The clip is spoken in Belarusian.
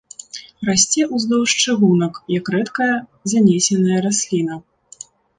Расце ўздоўж чыгунак як рэдкая занесеная расліна.